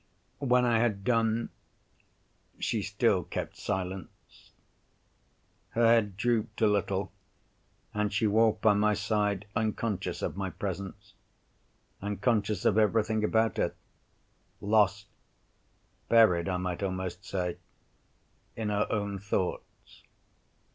When I had done, she still kept silence. Her head drooped a little, and she walked by my side, unconscious of my presence, unconscious of everything about her; lost—buried, I might almost say—in her own thoughts.